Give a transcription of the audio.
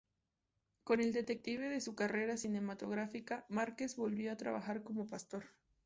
Con el declive de su carrera cinematográfica, Márquez volvió a trabajar como pastor.